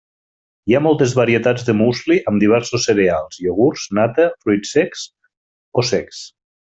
Hi ha moltes varietats de musli amb diversos cereals, iogurts, nata, fruits frescs o secs.